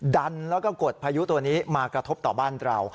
ดันแล้วก็กดพายุตัวนี้มากระทบต่อบ้านเรา